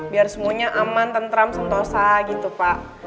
biar semuanya aman tentram sentosa gitu pak